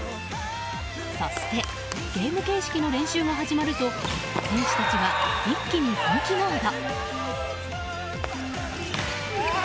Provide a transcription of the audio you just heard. そしてゲーム形式の練習が始まると選手たちは一気に本気モード。